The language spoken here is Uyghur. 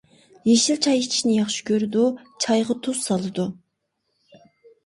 يېشىل چاي ئىچىشنى ياخشى كۆرىدۇ، چايغا تۇز سالىدۇ.